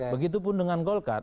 begitupun dengan golkar